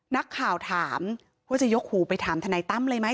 นักข่าวถามว่าจะยกหูไปถามทนายตั้มเลยไหม